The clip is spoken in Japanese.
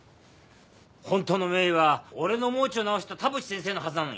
ホントの名医は俺の盲腸を治した田淵先生のはずなのに。